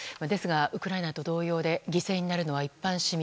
ですが、ウクライナと同様で犠牲になるのは一般市民。